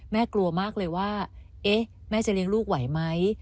กลัวมากเลยว่าเอ๊ะแม่จะเลี้ยงลูกไหวไหม